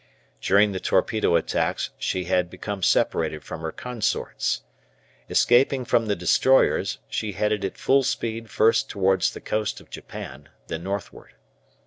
During the torpedo attacks she had become separated from her consorts. Escaping from the destroyers, she headed at full speed first towards the coast of Japan, then northward.